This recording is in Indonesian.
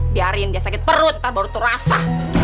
biarin dia sakit perut ntar baru terasa